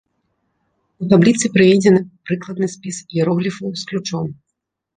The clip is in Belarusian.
У табліцы прыведзены прыкладны спіс іерогліфаў з ключом.